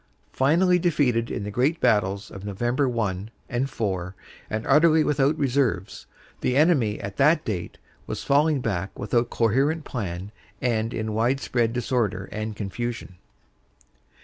Finally defeated in the great battles of Nov. 1 and 4, and utterly without reserves, the enemy at that date was falling back without coherent plan and in wide spread disorder and confusion."